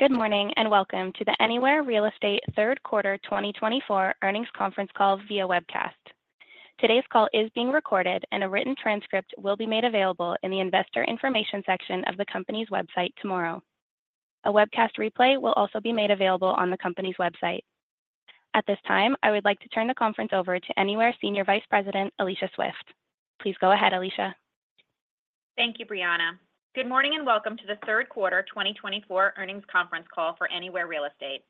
Good morning and welcome to the Anywhere Real Estate Third Quarter 2024 Earnings Conference Call via Webcast. Today's call is being recorded, and a written transcript will be made available in the investor information section of the company's website tomorrow. A webcast replay will also be made available on the company's website. At this time, I would like to turn the conference over to Anywhere Senior Vice President, Alicia Swift. Please go ahead, Alicia. Thank you, Brianna. Good morning and welcome to the Third Quarter 2024 Earnings Conference Call for Anywhere Real Estate.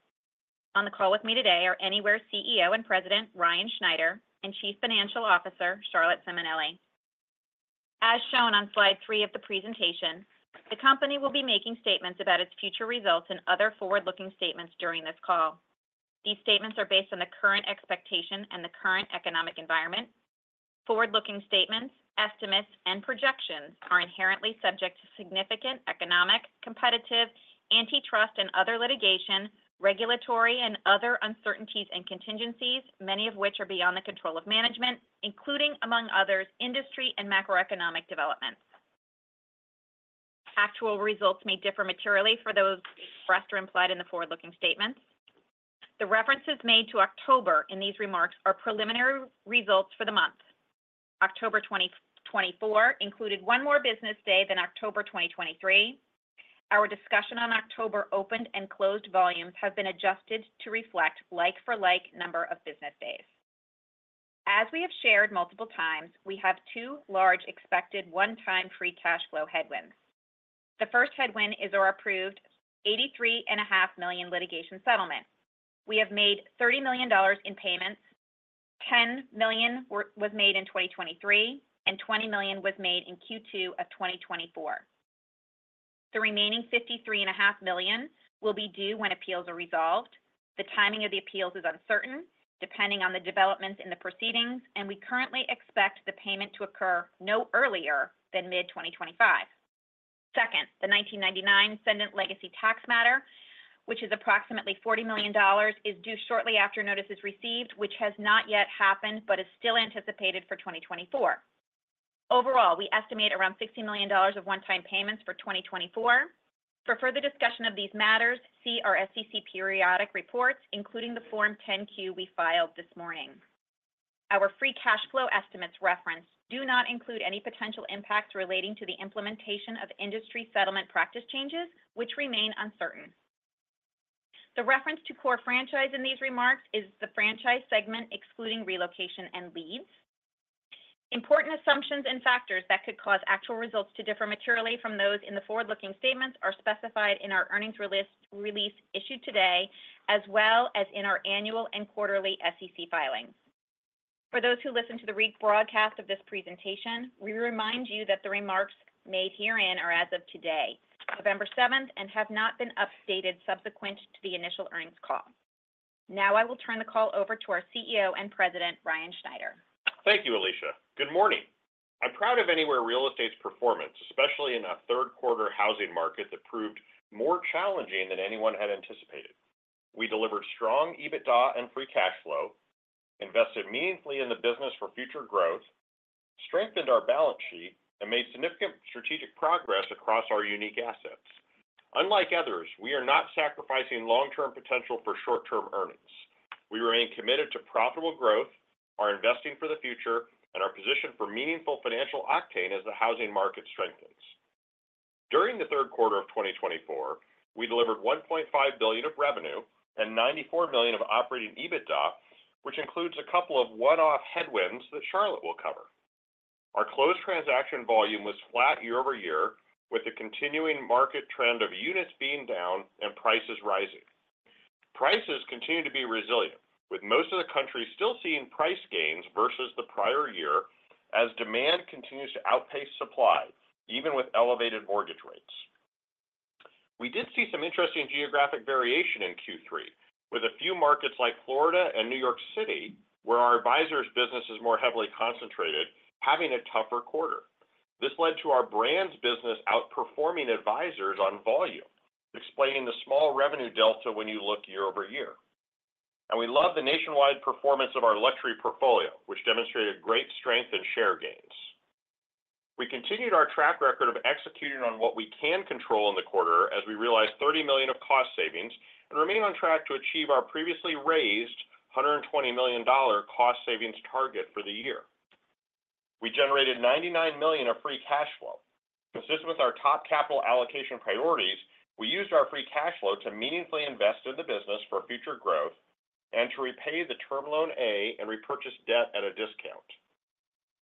On the call with me today are Anywhere CEO and President, Ryan Schneider, and Chief Financial Officer, Charlotte Simonelli. As shown on Slide 3 of the presentation, the company will be making statements about its future results and other forward-looking statements during this call. These statements are based on the current expectation and the current economic environment. Forward-looking statements, estimates, and projections are inherently subject to significant economic, competitive, antitrust, and other litigation, regulatory, and other uncertainties and contingencies, many of which are beyond the control of management, including, among others, industry and macroeconomic developments. Actual results may differ materially for those expressed or implied in the forward-looking statements. The references made to October in these remarks are preliminary results for the month. October 2024 included one more business day than October 2023. Our discussion on October opened and closed volumes have been adjusted to reflect like-for-like number of business days. As we have shared multiple times, we have two large expected one-time free cash flow headwinds. The first headwind is our approved $83.5 million litigation settlement. We have made $30 million in payments. $10 million was made in 2023, and $20 million was made in Q2 of 2024. The remaining $53.5 million will be due when appeals are resolved. The timing of the appeals is uncertain, depending on the developments in the proceedings, and we currently expect the payment to occur no earlier than mid-2025. Second, the 1999 settlement legacy tax matter, which is approximately $40 million, is due shortly after notice is received, which has not yet happened but is still anticipated for 2024. Overall, we estimate around $60 million of one-time payments for 2024. For further discussion of these matters, see our SEC periodic reports, including the Form 10-Q we filed this morning. Our free cash flow estimates reference do not include any potential impacts relating to the implementation of industry settlement practice changes, which remain uncertain. The reference to core franchise in these remarks is the franchise segment excluding relocation and leads. Important assumptions and factors that could cause actual results to differ materially from those in the forward-looking statements are specified in our earnings release issued today, as well as in our annual and quarterly SEC filings. For those who listen to the rebroadcast of this presentation, we remind you that the remarks made herein are as of today, November 7, and have not been updated subsequent to the initial earnings call. Now I will turn the call over to our CEO and President, Ryan Schneider. Thank you, Alicia. Good morning. I'm proud of Anywhere Real Estate's performance, especially in a third-quarter housing market that proved more challenging than anyone had anticipated. We delivered strong EBITDA and free cash flow, invested meaningfully in the business for future growth, strengthened our balance sheet, and made significant strategic progress across our unique assets. Unlike others, we are not sacrificing long-term potential for short-term earnings. We remain committed to profitable growth, our investing for the future, and our position for meaningful financial octane as the housing market strengthens. During the third quarter of 2024, we delivered $1.5 billion of revenue and $94 million of operating EBITDA, which includes a couple of one-off headwinds that Charlotte will cover. Our closed transaction volume was flat year over year, with the continuing market trend of units being down and prices rising. Prices continue to be resilient, with most of the country still seeing price gains versus the prior year as demand continues to outpace supply, even with elevated mortgage rates. We did see some interesting geographic variation in Q3, with a few markets like Florida and New York City, where our advisors' business is more heavily concentrated, having a tougher quarter. This led to our brand's business outperforming advisors on volume, explaining the small revenue delta when you look year over year. And we love the nationwide performance of our luxury portfolio, which demonstrated great strength in share gains. We continued our track record of executing on what we can control in the quarter as we realized $30 million of cost savings and remain on track to achieve our previously raised $120 million cost savings target for the year. We generated $99 million of free cash flow. Consistent with our top capital allocation priorities, we used our free cash flow to meaningfully invest in the business for future growth and to repay the Term Loan A and repurchase debt at a discount.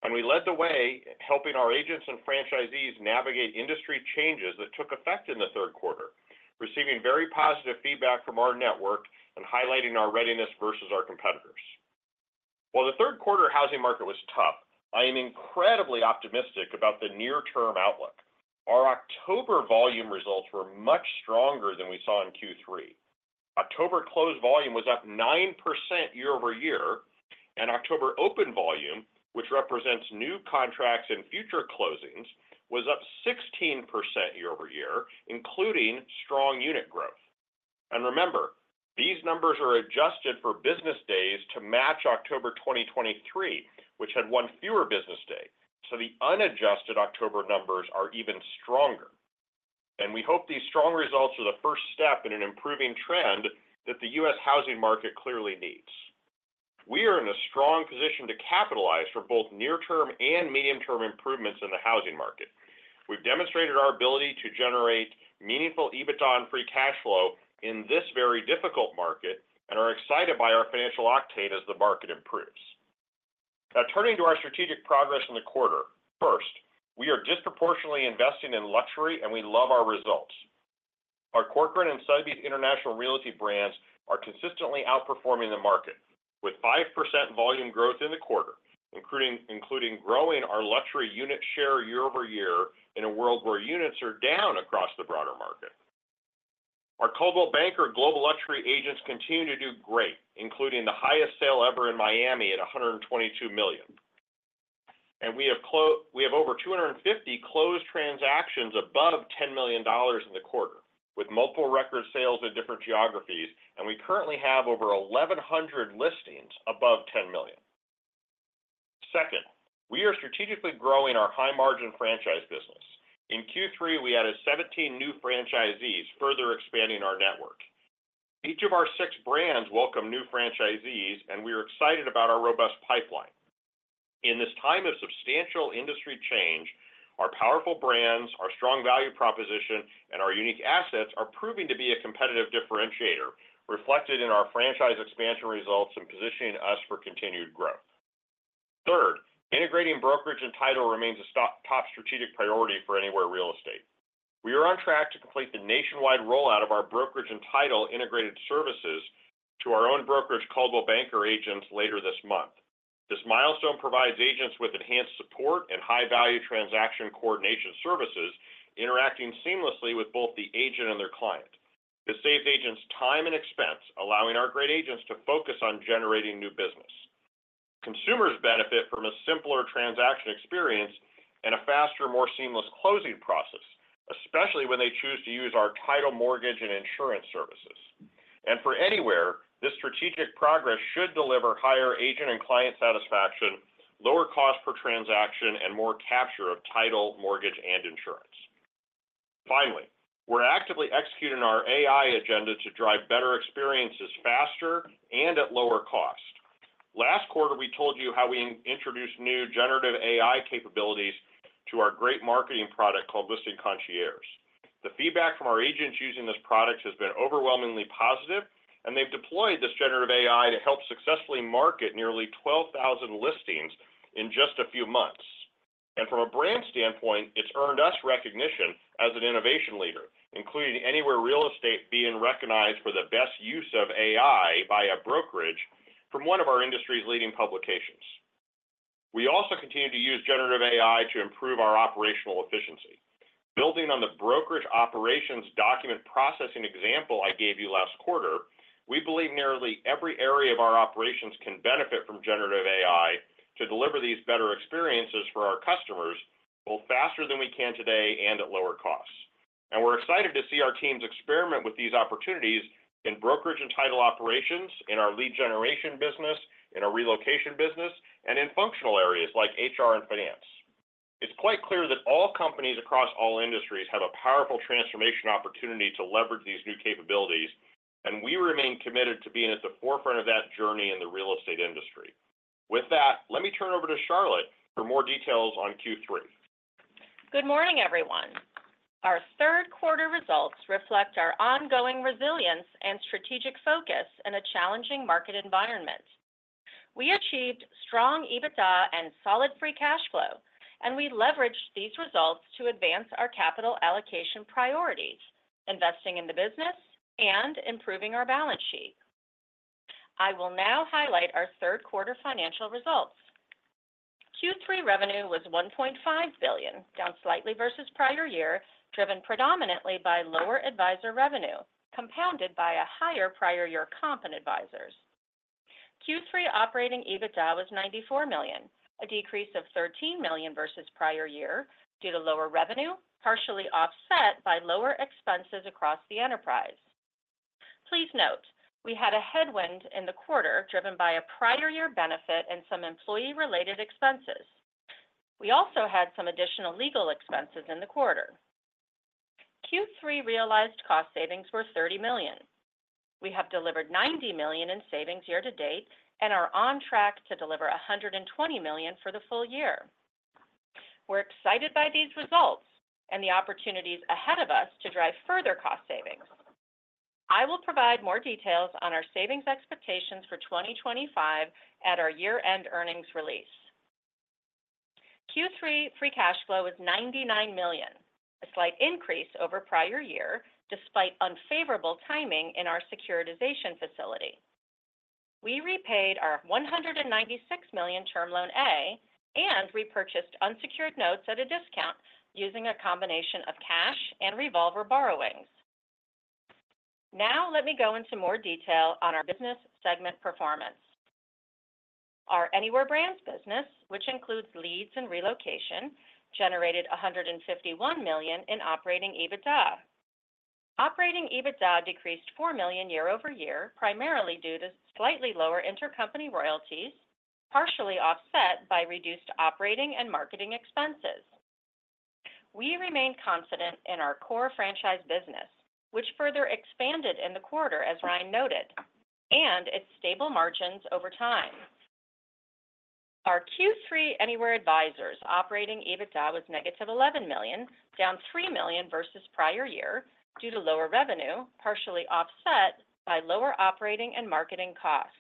And we led the way in helping our agents and franchisees navigate industry changes that took effect in the third quarter, receiving very positive feedback from our network and highlighting our readiness versus our competitors. While the third quarter housing market was tough, I am incredibly optimistic about the near-term outlook. Our October volume results were much stronger than we saw in Q3. October closed volume was up 9% year over year, and October open volume, which represents new contracts and future closings, was up 16% year over year, including strong unit growth. And remember, these numbers are adjusted for business days to match October 2023, which had one fewer business day. So the unadjusted October numbers are even stronger. And we hope these strong results are the first step in an improving trend that the U.S. housing market clearly needs. We are in a strong position to capitalize for both near-term and medium-term improvements in the housing market. We've demonstrated our ability to generate meaningful EBITDA and free cash flow in this very difficult market and are excited by our financial octane as the market improves. Now, turning to our strategic progress in the quarter, first, we are disproportionately investing in luxury, and we love our results. Our corporate and Sotheby's International Realty brands are consistently outperforming the market with 5% volume growth in the quarter, including growing our luxury unit share year over year in a world where units are down across the broader market. Our Coldwell Banker Global Luxury agents continue to do great, including the highest sale ever in Miami at $122 million. We have over 250 closed transactions above $10 million in the quarter, with multiple record sales in different geographies, and we currently have over 1,100 listings above $10 million. Second, we are strategically growing our high-margin franchise business. In Q3, we added 17 new franchisees, further expanding our network. Each of our six brands welcome new franchisees, and we are excited about our robust pipeline. In this time of substantial industry change, our powerful brands, our strong value proposition, and our unique assets are proving to be a competitive differentiator, reflected in our franchise expansion results and positioning us for continued growth. Third, integrating brokerage and title remains a top strategic priority for Anywhere Real Estate. We are on track to complete the nationwide rollout of our brokerage and title integrated services to our own brokerage Coldwell Banker agents later this month. This milestone provides agents with enhanced support and high-value transaction coordination services, interacting seamlessly with both the agent and their client. This saves agents time and expense, allowing our great agents to focus on generating new business. Consumers benefit from a simpler transaction experience and a faster, more seamless closing process, especially when they choose to use our title, mortgage, and insurance services. And for Anywhere, this strategic progress should deliver higher agent and client satisfaction, lower cost per transaction, and more capture of title, mortgage, and insurance. Finally, we're actively executing our AI agenda to drive better experiences faster and at lower cost. Last quarter, we told you how we introduced new generative AI capabilities to our great marketing product called Listing Concierge. The feedback from our agents using this product has been overwhelmingly positive, and they've deployed this generative AI to help successfully market nearly 12,000 listings in just a few months, and from a brand standpoint, it's earned us recognition as an innovation leader, including Anywhere Real Estate being recognized for the best use of AI by a brokerage from one of our industry's leading publications. We also continue to use generative AI to improve our operational efficiency. Building on the brokerage operations document processing example I gave you last quarter, we believe nearly every area of our operations can benefit from generative AI to deliver these better experiences for our customers both faster than we can today and at lower costs. We're excited to see our teams experiment with these opportunities in brokerage and title operations, in our lead generation business, in our relocation business, and in functional areas like HR and finance. It's quite clear that all companies across all industries have a powerful transformation opportunity to leverage these new capabilities, and we remain committed to being at the forefront of that journey in the real estate industry. With that, let me turn over to Charlotte for more details on Q3. Good morning, everyone. Our third quarter results reflect our ongoing resilience and strategic focus in a challenging market environment. We achieved strong EBITDA and solid free cash flow, and we leveraged these results to advance our capital allocation priorities, investing in the business and improving our balance sheet. I will now highlight our third quarter financial results. Q3 revenue was $1.5 billion, down slightly versus prior year, driven predominantly by lower advisor revenue compounded by a higher prior year comp and advisors. Q3 Operating EBITDA was $94 million, a decrease of $13 million versus prior year due to lower revenue, partially offset by lower expenses across the enterprise. Please note, we had a headwind in the quarter driven by a prior year benefit and some employee-related expenses. We also had some additional legal expenses in the quarter. Q3 realized cost savings were $30 million. We have delivered $90 million in savings year to date and are on track to deliver $120 million for the full year. We're excited by these results and the opportunities ahead of us to drive further cost savings. I will provide more details on our savings expectations for 2025 at our year-end earnings release. Q3 free cash flow was $99 million, a slight increase over prior year despite unfavorable timing in our securitization facility. We repaid our $196 million Term Loan A and repurchased unsecured notes at a discount using a combination of cash and revolver borrowings. Now let me go into more detail on our business segment performance. Our Anywhere Brands business, which includes leads and relocation, generated $151 million in Operating EBITDA. Operating EBITDA decreased $4 million year over year, primarily due to slightly lower intercompany royalties, partially offset by reduced operating and marketing expenses. We remain confident in our core franchise business, which further expanded in the quarter, as Ryan noted, and its stable margins over time. Our Q3 Anywhere Advisors operating EBITDA was negative $11 million, down $3 million versus prior year due to lower revenue, partially offset by lower operating and marketing costs.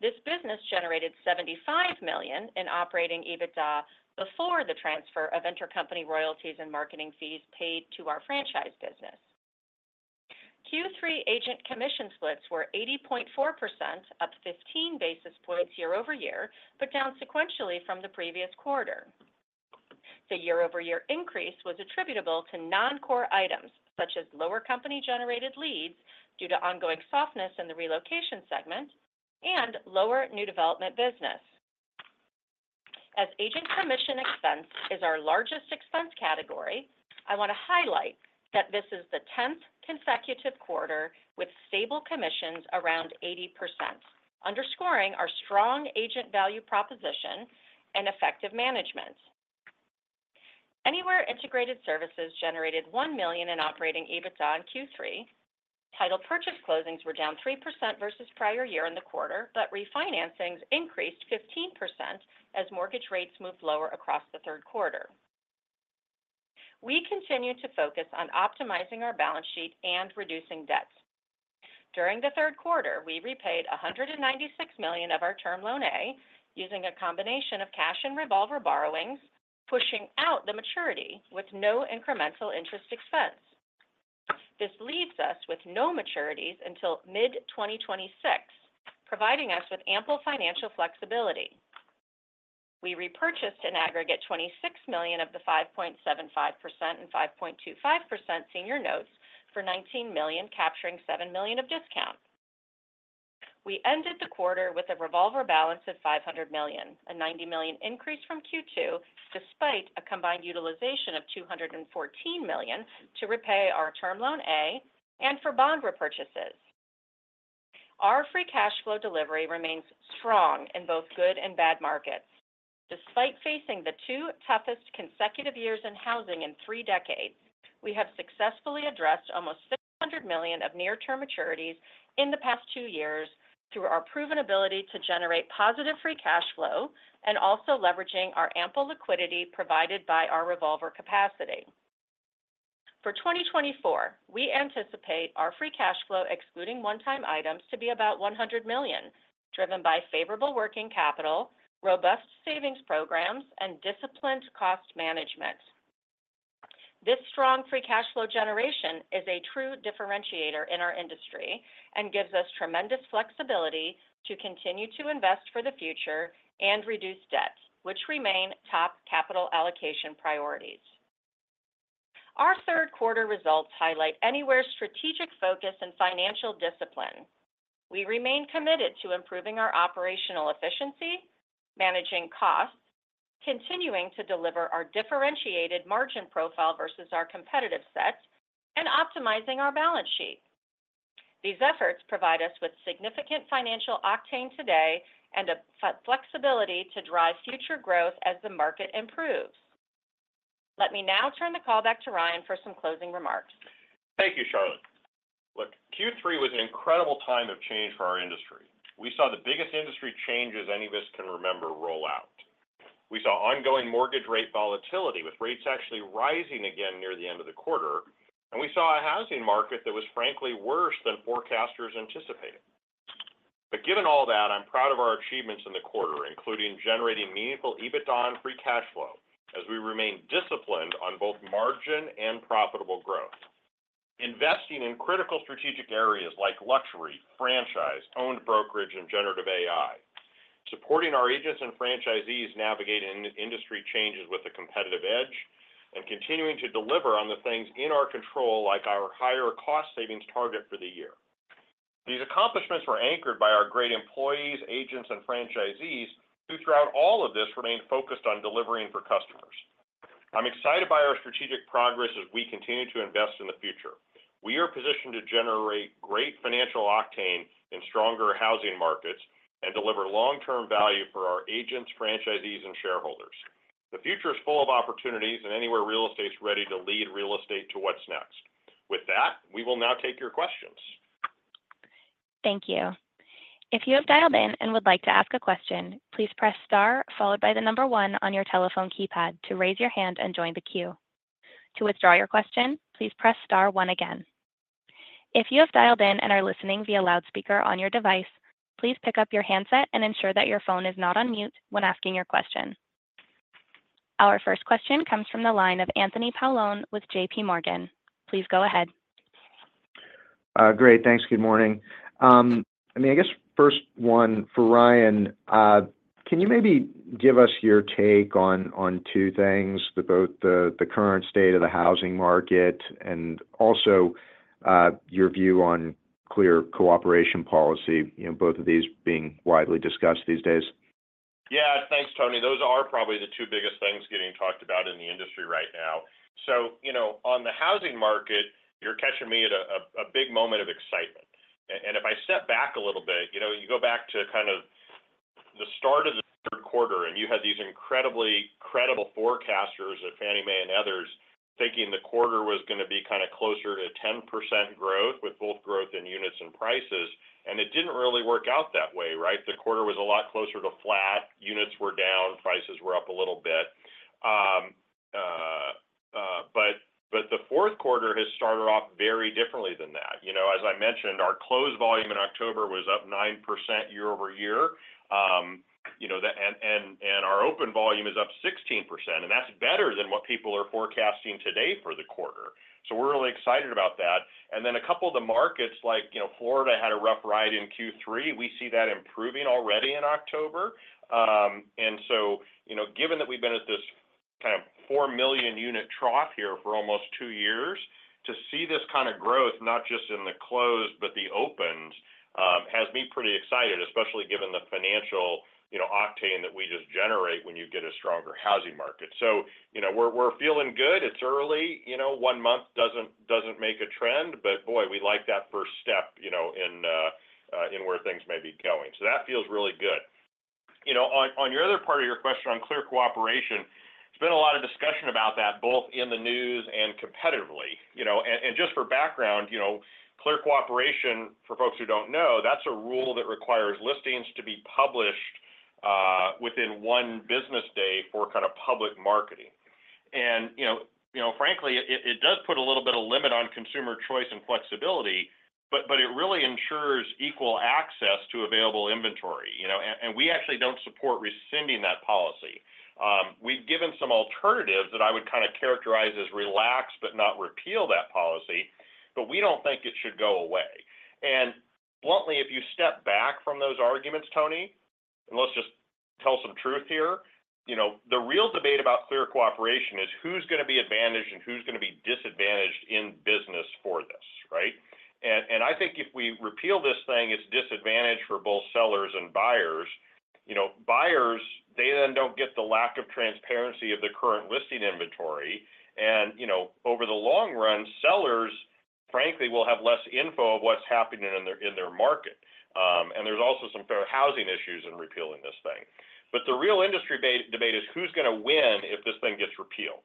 This business generated $75 million in operating EBITDA before the transfer of intercompany royalties and marketing fees paid to our franchise business. Q3 agent commission splits were 80.4%, up 15 basis points year over year, but down sequentially from the previous quarter. The year-over-year increase was attributable to non-core items such as lower company-generated leads due to ongoing softness in the relocation segment and lower new development business. As agent commission expense is our largest expense category, I want to highlight that this is the 10th consecutive quarter with stable commissions around 80%, underscoring our strong agent value proposition and effective management. Anywhere Integrated Services generated $1 million in Operating EBITDA in Q3. Title purchase closings were down 3% versus prior year in the quarter, but refinancings increased 15% as mortgage rates moved lower across the third quarter. We continue to focus on optimizing our balance sheet and reducing debt. During the third quarter, we repaid $196 million of our Term Loan A using a combination of cash and Revolver borrowings, pushing out the maturity with no incremental interest expense. This leaves us with no maturities until mid-2026, providing us with ample financial flexibility. We repurchased an aggregate $26 million of the 5.75% and 5.25% senior notes for $19 million, capturing $7 million of discount. We ended the quarter with a revolver balance of $500 million, a $90 million increase from Q2, despite a combined utilization of $214 million to repay our Term loan A and for bond repurchases. Our free cash flow delivery remains strong in both good and bad markets. Despite facing the two toughest consecutive years in housing in three decades, we have successfully addressed almost $600 million of near-term maturities in the past two years through our proven ability to generate positive free cash flow and also leveraging our ample liquidity provided by our revolver capacity. For 2024, we anticipate our free cash flow, excluding one-time items, to be about $100 million, driven by favorable working capital, robust savings programs, and disciplined cost management. This strong free cash flow generation is a true differentiator in our industry and gives us tremendous flexibility to continue to invest for the future and reduce debt, which remain top capital allocation priorities. Our third quarter results highlight Anywhere's strategic focus and financial discipline. We remain committed to improving our operational efficiency, managing costs, continuing to deliver our differentiated margin profile versus our competitive set, and optimizing our balance sheet. These efforts provide us with significant financial octane today and a flexibility to drive future growth as the market improves. Let me now turn the call back to Ryan for some closing remarks. Thank you, Charlotte. Look, Q3 was an incredible time of change for our industry. We saw the biggest industry changes any of us can remember roll out. We saw ongoing mortgage rate volatility with rates actually rising again near the end of the quarter, and we saw a housing market that was frankly worse than forecasters anticipated. But given all that, I'm proud of our achievements in the quarter, including generating meaningful EBITDA and free cash flow as we remain disciplined on both margin and profitable growth, investing in critical strategic areas like luxury, franchise, owned brokerage, and generative AI, supporting our agents and franchisees navigating industry changes with a competitive edge, and continuing to deliver on the things in our control like our higher cost savings target for the year. These accomplishments were anchored by our great employees, agents, and franchisees who, throughout all of this, remained focused on delivering for customers. I'm excited by our strategic progress as we continue to invest in the future. We are positioned to generate great financial octane in stronger housing markets and deliver long-term value for our agents, franchisees, and shareholders. The future is full of opportunities, and Anywhere Real Estate is ready to lead real estate to what's next. With that, we will now take your questions. Thank you. If you have dialed in and would like to ask a question, please press star followed by the number 1 on your telephone keypad to raise your hand and join the queue. To withdraw your question, please press star 1 again. If you have dialed in and are listening via loudspeaker on your device, please pick up your handset and ensure that your phone is not on mute when asking your question. Our first question comes from the line of Anthony Paolone with JPMorgan. Please go ahead. Great. Thanks. Good morning. I mean, I guess first one for Ryan, can you maybe give us your take on two things, both the current state of the housing market and also your view on Clear Cooperation Policy, both of these being widely discussed these days? Yeah. Thanks, Tony. Those are probably the two biggest things getting talked about in the industry right now. So on the housing market, you're catching me at a big moment of excitement, and if I step back a little bit, you go back to kind of the start of the third quarter, and you had these incredibly credible forecasters at Fannie Mae and others thinking the quarter was going to be kind of closer to 10% growth with both growth in units and prices, and it didn't really work out that way, right? The quarter was a lot closer to flat. Units were down. Prices were up a little bit, but the fourth quarter has started off very differently than that. As I mentioned, our close volume in October was up 9% year over year, and our open volume is up 16%. And that's better than what people are forecasting today for the quarter. So we're really excited about that. And then a couple of the markets, like Florida, had a rough ride in Q3. We see that improving already in October. And so given that we've been at this kind of four million unit trough here for almost two years, to see this kind of growth, not just in the closed, but the opens, has me pretty excited, especially given the financial octane that we just generate when you get a stronger housing market. So we're feeling good. It's early. One month doesn't make a trend, but boy, we like that first step in where things may be going. So that feels really good. On your other part of your question on Clear Cooperation, there's been a lot of discussion about that both in the news and competitively. Just for background, Clear Cooperation, for folks who don't know, that's a rule that requires listings to be published within one business day for kind of public marketing. And frankly, it does put a little bit of limit on consumer choice and flexibility, but it really ensures equal access to available inventory. And we actually don't support rescinding that policy. We've given some alternatives that I would kind of characterize as relaxed, but not repeal that policy, but we don't think it should go away. And bluntly, if you step back from those arguments, Tony, and let's just tell some truth here, the real debate about Clear Cooperation is who's going to be advantaged and who's going to be disadvantaged in business for this, right? And I think if we repeal this thing, it's disadvantage for both sellers and buyers. Buyers, they then don't get the lack of transparency of the current listing inventory. And over the long run, sellers, frankly, will have less info of what's happening in their market. And there's also some fair housing issues in repealing this thing. But the real industry debate is who's going to win if this thing gets repealed,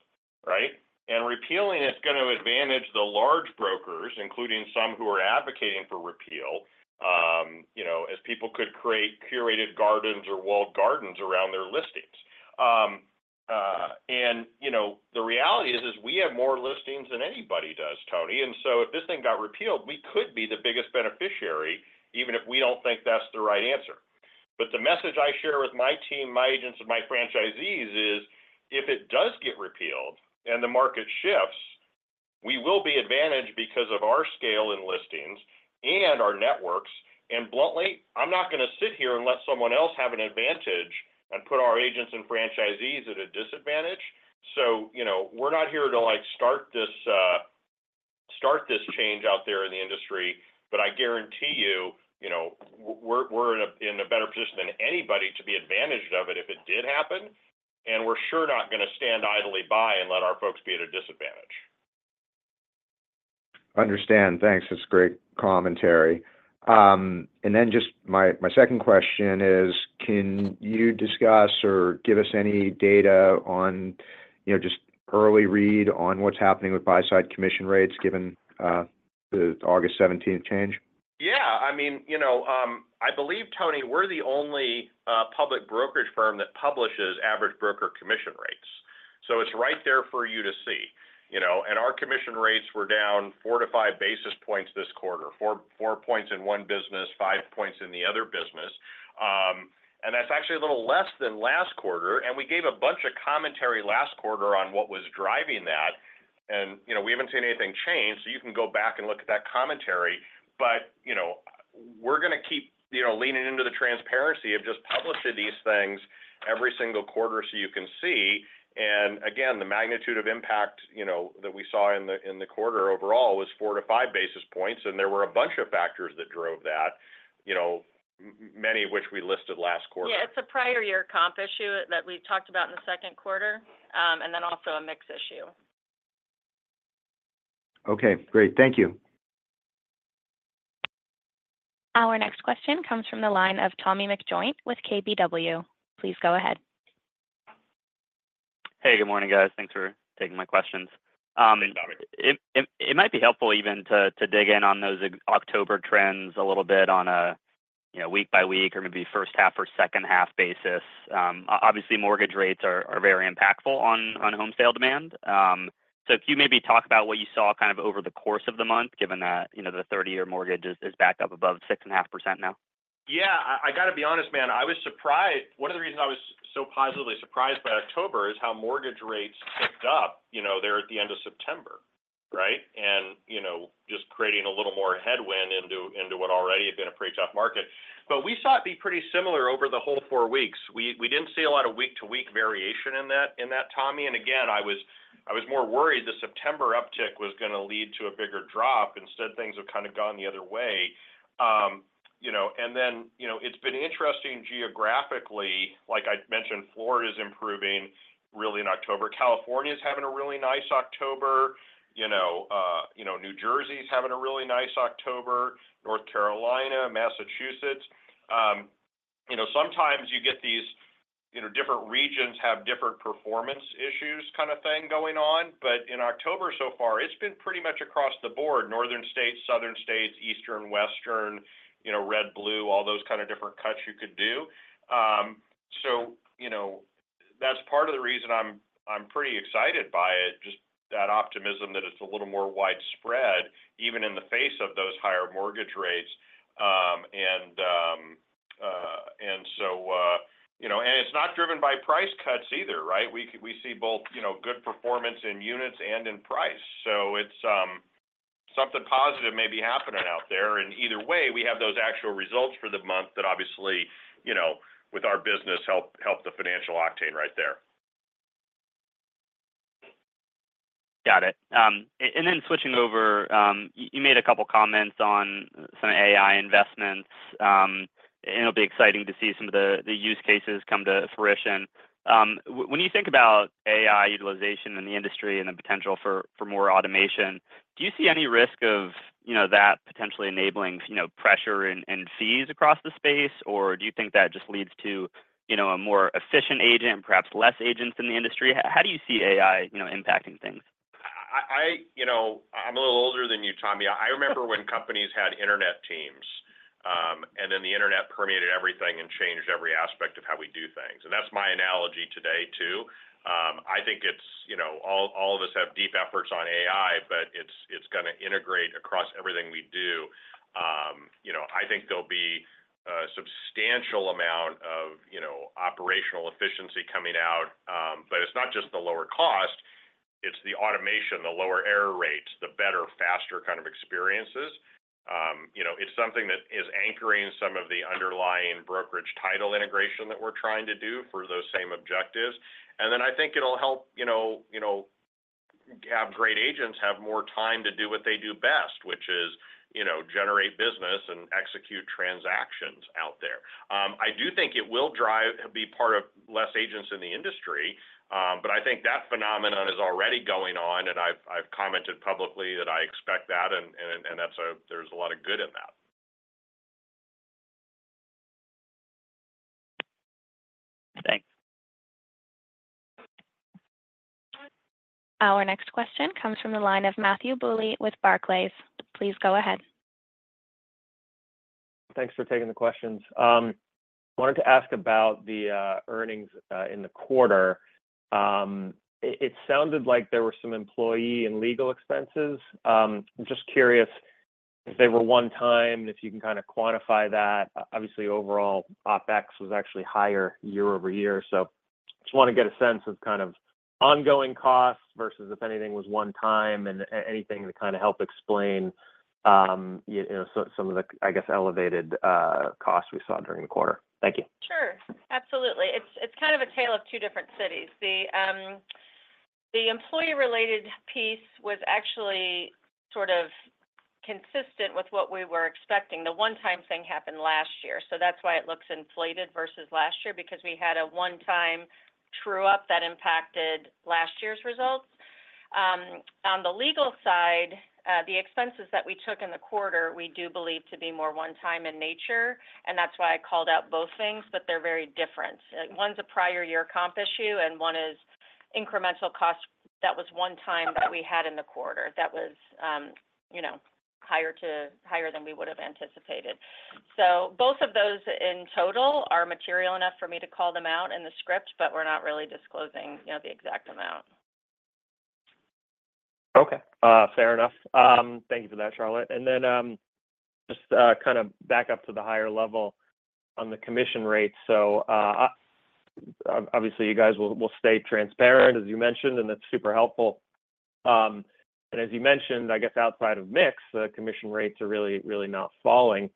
right? And repealing is going to advantage the large brokers, including some who are advocating for repeal, as people could create curated gardens or walled gardens around their listings. And the reality is we have more listings than anybody does, Tony. And so if this thing got repealed, we could be the biggest beneficiary, even if we don't think that's the right answer. But the message I share with my team, my agents, and my franchisees is if it does get repealed and the market shifts, we will be advantaged because of our scale in listings and our networks. And bluntly, I'm not going to sit here and let someone else have an advantage and put our agents and franchisees at a disadvantage. So we're not here to start this change out there in the industry, but I guarantee you we're in a better position than anybody to be advantaged of it if it did happen. And we're sure not going to stand idly by and let our folks be at a disadvantage. Understand. Thanks. That's great commentary. And then just my second question is, can you discuss or give us any data on just early read on what's happening with buy-side commission rates given the August 17th change? Yeah. I mean, I believe, Tony, we're the only public brokerage firm that publishes average broker commission rates. So it's right there for you to see. And our commission rates were down four to five basis points this quarter, four points in one business, five points in the other business. And that's actually a little less than last quarter. And we gave a bunch of commentary last quarter on what was driving that. And we haven't seen anything change. So you can go back and look at that commentary. But we're going to keep leaning into the transparency of just publishing these things every single quarter so you can see. And again, the magnitude of impact that we saw in the quarter overall was four to five basis points. And there were a bunch of factors that drove that, many of which we listed last quarter. Yeah. It's a prior year comp issue that we talked about in the second quarter, and then also a mix issue. Okay. Great. Thank you. Our next question comes from the line of Tommy McJoynt with KBW. Please go ahead. Hey. Good morning, guys. Thanks for taking my questions. It might be helpful even to dig in on those October trends a little bit on a week-by-week or maybe first half or second half basis. Obviously, mortgage rates are very impactful on home sale demand. So can you maybe talk about what you saw kind of over the course of the month, given that the 30-year mortgage is back up above 6.5% now? Yeah. I got to be honest, man. I was surprised. One of the reasons I was so positively surprised by October is how mortgage rates ticked up there at the end of September, right, and just creating a little more headwind into what already had been a pretty tough market. But we saw it be pretty similar over the whole four weeks. We didn't see a lot of week-to-week variation in that, Tommy, and again, I was more worried the September uptick was going to lead to a bigger drop. Instead, things have kind of gone the other way, and then it's been interesting geographically. Like I mentioned, Florida is improving really in October. California is having a really nice October. New Jersey is having a really nice October. North Carolina, Massachusetts. Sometimes you get these different regions have different performance issues kind of thing going on. But in October so far, it's been pretty much across the board: northern states, southern states, eastern, western, red, blue, all those kind of different cuts you could do. So that's part of the reason I'm pretty excited by it, just that optimism that it's a little more widespread, even in the face of those higher mortgage rates. And so it's not driven by price cuts either, right? We see both good performance in units and in price. So something positive may be happening out there. And either way, we have those actual results for the month that obviously, with our business, help the financial octane right there. Got it. And then switching over, you made a couple of comments on some AI investments. And it'll be exciting to see some of the use cases come to fruition. When you think about AI utilization in the industry and the potential for more automation, do you see any risk of that potentially enabling pressure and fees across the space, or do you think that just leads to a more efficient agent and perhaps less agents in the industry? How do you see AI impacting things? I'm a little older than you, Tommy. I remember when companies had internet teams, and then the internet permeated everything and changed every aspect of how we do things, and that's my analogy today too. I think all of us have deep efforts on AI, but it's going to integrate across everything we do. I think there'll be a substantial amount of operational efficiency coming out, but it's not just the lower cost. It's the automation, the lower error rates, the better, faster kind of experiences. It's something that is anchoring some of the underlying brokerage title integration that we're trying to do for those same objectives, and then I think it'll help have great agents have more time to do what they do best, which is generate business and execute transactions out there. I do think it will be part of less agents in the industry, but I think that phenomenon is already going on, and I've commented publicly that I expect that, and there's a lot of good in that. Thanks. Our next question comes from the line of Matthew Bouley with Barclays. Please go ahead. Thanks for taking the questions. I wanted to ask about the earnings in the quarter. It sounded like there were some employee and legal expenses. I'm just curious if they were one-time, if you can kind of quantify that. Obviously, overall, OpEx was actually higher year over year. So I just want to get a sense of kind of ongoing costs versus if anything was one-time and anything to kind of help explain some of the, I guess, elevated costs we saw during the quarter. Thank you. Sure. Absolutely. It's kind of a tale of two different cities. The employee-related piece was actually sort of consistent with what we were expecting. The one-time thing happened last year. So that's why it looks inflated versus last year, because we had a one-time true-up that impacted last year's results. On the legal side, the expenses that we took in the quarter, we do believe to be more one-time in nature. And that's why I called out both things, but they're very different. One's a prior year comp issue, and one is incremental cost. That was one-time that we had in the quarter that was higher than we would have anticipated. So both of those in total are material enough for me to call them out in the script, but we're not really disclosing the exact amount. Okay. Fair enough. Thank you for that, Charlotte. And then just kind of back up to the higher level on the commission rates. So obviously, you guys will stay transparent, as you mentioned, and that's super helpful. And as you mentioned, I guess outside of mix, the commission rates are really, really not falling.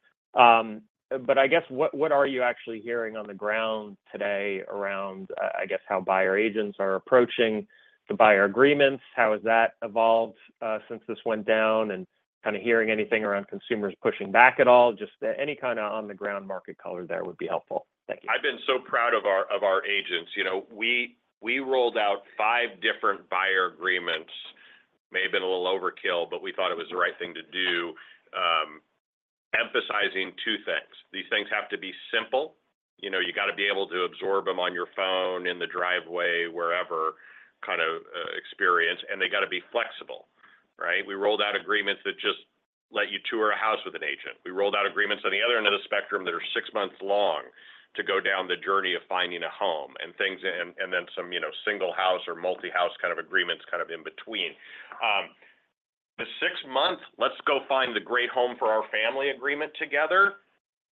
But I guess what are you actually hearing on the ground today around, I guess, how buyer agents are approaching the buyer agreements? How has that evolved since this went down? And kind of hearing anything around consumers pushing back at all? Just any kind of on-the-ground market color there would be helpful. Thank you. I've been so proud of our agents. We rolled out five different buyer agreements. May have been a little overkill, but we thought it was the right thing to do, emphasizing two things. These things have to be simple. You got to be able to absorb them on your phone, in the driveway, wherever, kind of experience. And they got to be flexible, right? We rolled out agreements that just let you tour a house with an agent. We rolled out agreements on the other end of the spectrum that are six months long to go down the journey of finding a home and then some single-house or multi-house kind of agreements kind of in between. The six-month, let's go find the great home for our family agreement together,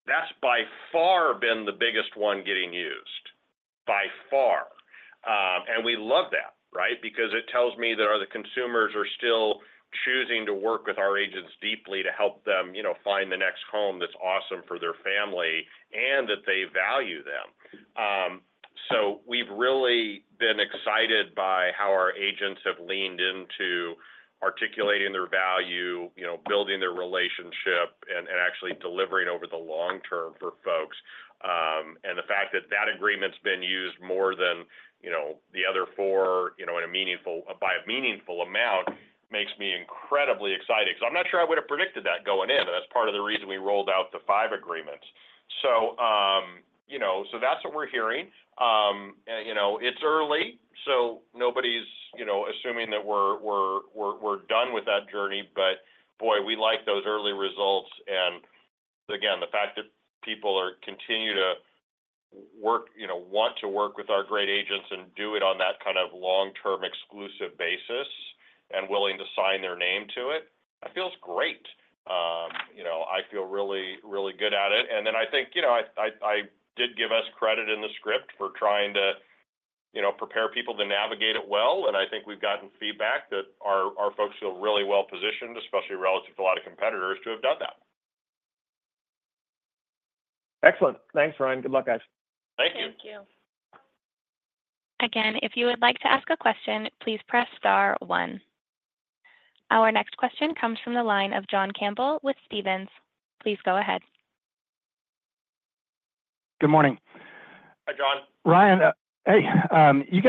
that's by far been the biggest one getting used, by far. And we love that, right? Because it tells me that the consumers are still choosing to work with our agents deeply to help them find the next home that's awesome for their family and that they value them. So we've really been excited by how our agents have leaned into articulating their value, building their relationship, and actually delivering over the long term for folks. And the fact that that agreement's been used more than the other four in a meaningful amount makes me incredibly excited. So I'm not sure I would have predicted that going in. And that's part of the reason we rolled out the five agreements. So that's what we're hearing. It's early, so nobody's assuming that we're done with that journey. But boy, we like those early results. And again, the fact that people continue to want to work with our great agents and do it on that kind of long-term exclusive basis and willing to sign their name to it, that feels great. I feel really, really good at it. And then I think I did give us credit in the script for trying to prepare people to navigate it well. And I think we've gotten feedback that our folks feel really well-positioned, especially relative to a lot of competitors who have done that. Excellent. Thanks, Ryan. Good luck, guys. Thank you. Thank you. Again, if you would like to ask a question, please press star 1. Our next question comes from the line of John Campbell with Stephens. Please go ahead. Good morning. Hi, John. Ryan, hey. You've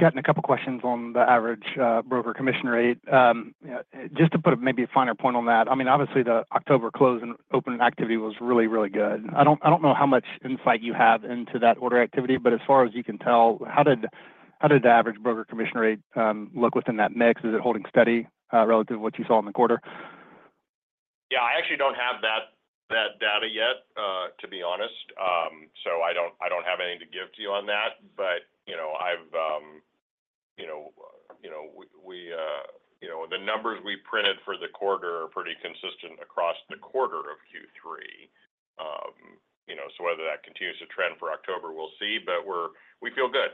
gotten a couple of questions on the average broker commission rate. Just to put maybe a finer point on that, I mean, obviously, the October close and open activity was really, really good. I don't know how much insight you have into that order activity, but as far as you can tell, how did the average broker commission rate look within that mix? Is it holding steady relative to what you saw in the quarter? Yeah. I actually don't have that data yet, to be honest. So I don't have anything to give to you on that. But the numbers we printed for the quarter are pretty consistent across the quarter of Q3. So whether that continues to trend for October, we'll see. But we feel good.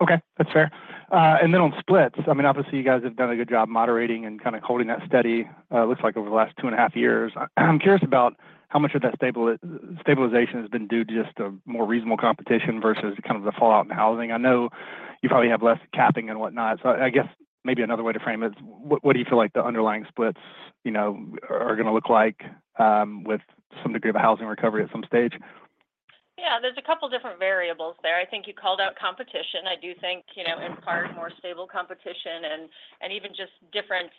Okay. That's fair. And then on splits, I mean, obviously, you guys have done a good job moderating and kind of holding that steady, it looks like, over the last two and a half years. I'm curious about how much of that stabilization has been due to just more reasonable competition versus kind of the fallout in housing. I know you probably have less capping and whatnot. So I guess maybe another way to frame it is, what do you feel like the underlying splits are going to look like with some degree of housing recovery at some stage? Yeah. There's a couple of different variables there. I think you called out competition. I do think, in part, more stable competition and even just different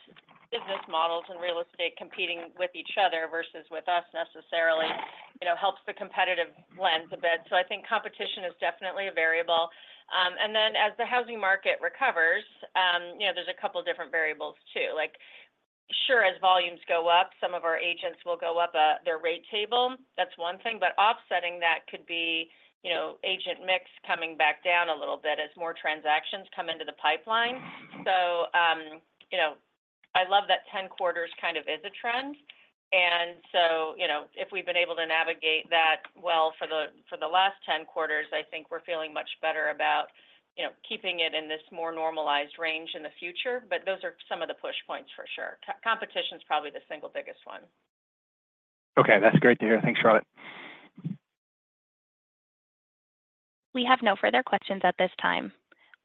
business models and real estate competing with each other versus with us necessarily helps the competitive lens a bit. So I think competition is definitely a variable. And then as the housing market recovers, there's a couple of different variables too. Sure, as volumes go up, some of our agents will go up their rate table. That's one thing. But offsetting that could be agent mix coming back down a little bit as more transactions come into the pipeline. So I love that 10 quarters kind of is a trend. And so if we've been able to navigate that well for the last 10 quarters, I think we're feeling much better about keeping it in this more normalized range in the future. But those are some of the push points for sure. Competition is probably the single biggest one. Okay. That's great to hear. Thanks, Charlotte. We have no further questions at this time.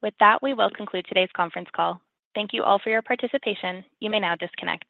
With that, we will conclude today's conference call. Thank you all for your participation. You may now disconnect.